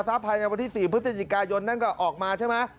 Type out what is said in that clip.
ซ้าภายในวันที่สี่พฤศจิกายนเต้นนั่นก็ออกมาใช่ไหม